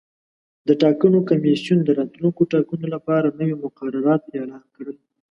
د ټاکنو کمیسیون د راتلونکو ټاکنو لپاره نوي مقررات اعلان کړل.